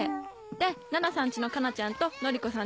で奈々さん家の加奈ちゃんと典子さん